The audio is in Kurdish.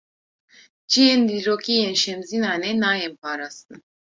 Cihên dîrokî yên Şemzînanê, nayên parastin